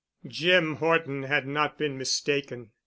Jim Horton had not been mistaken.